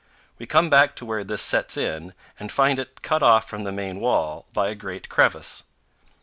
We come back to where this sets in and find it cut off from the main wall by a great crevice.